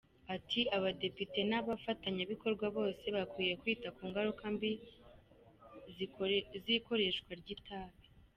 Ati “Abadepite n’abafatanyabikorwa bose bakwiye kwita ku ngaruka mbi z’ikoreshwa ry’itabi.